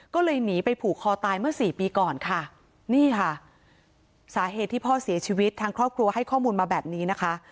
ก็เลยหนีไปผูกคอตายเมื่อสี่ปีก่อนค่ะนี่ค่ะสาเหตุที่พ่อเสียชีวิตทางครอบครัวให้ข้อมูลมาแบบนี้นะคะ